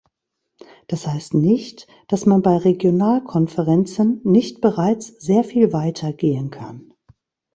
Das heißt nicht, dass man bei Regionalkonferenzen nicht bereits sehr viel weiter gehen kann.